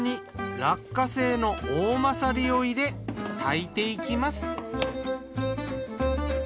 落花生のおおまさりを入れ炊いていきます。